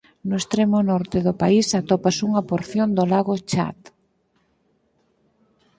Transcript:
No extremo norte do país atópase unha porción do lago Chad.